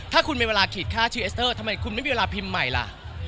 ถ้าคุณมีเวลาขีดค่าชื่อเอสเตอร์ทำไมคุณไม่มีเวลาพิมพ์ใหม่ล่ะ